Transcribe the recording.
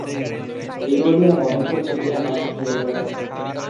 এই বলিয়া মহেন্দ্র ছুটিয়া বাহির হইয়া গেল।